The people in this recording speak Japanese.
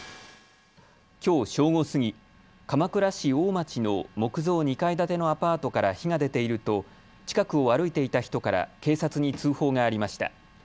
きょう正午過ぎ、鎌倉市大町の木造２階建てのアパートから火が出ていると近くを歩いていた人から警察に通報がありました。